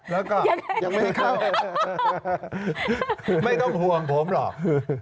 แล้วก็ไม่ต้องห่วงผมหรอก